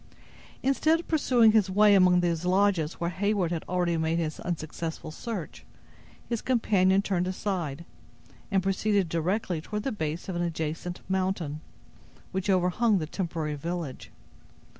Instead of pursuing his way among those lodges where Heyward had already made his unsuccessful search, his companion turned aside, and proceeded directly toward the base of an adjacent mountain, which overhung the temporary village.